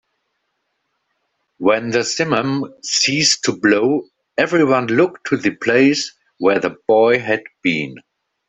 When the simum ceased to blow, everyone looked to the place where the boy had been.